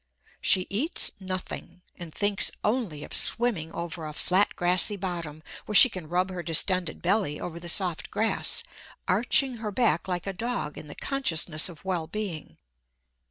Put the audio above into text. She eats nothing, and thinks only of swimming over a flat grassy bottom, where she can rub her distended belly over the soft grass, arching her back like a dog in the consciousness of well being.